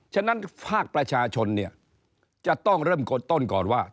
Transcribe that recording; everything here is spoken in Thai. ฉะนั้นภาคประชาชนเนี่ยจะต้องเริ่มกดต้นก่อนว่า